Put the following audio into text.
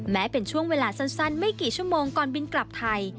แม้เป็นช่วงเวลาสั้นไม่กี่ชั่วโมงก่อนบินกลับไทย